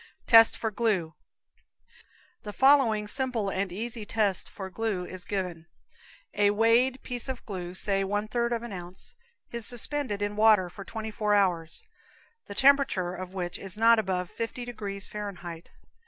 Test for Glue. The following simple and easy test for glue is given: A weighed piece of glue (say one third of an ounce) is suspended in water for twenty four hours, the temperature of which is not above fifty degrees Fahrenheit.